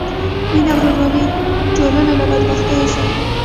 مینه او ورورولي ټولنه له بدبختیو ساتي.